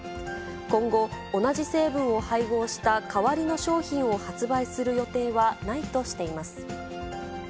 今後、同じ成分を配合した代わりの商品を発売する予定はないとしています。